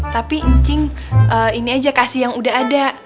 tapi encing ini aja kasih yang udah ada